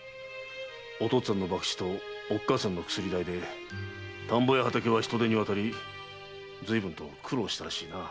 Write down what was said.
お父っつぁんの博打とおっかさんの薬代でたんぼや畑は人手に渡りずいぶんと苦労したらしいな？